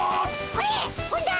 これ本田！